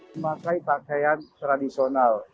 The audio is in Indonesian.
memakai pakaian tradisional